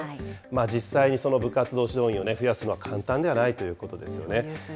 実際にその部活動指導員を増やすのは簡単ではないということですよね。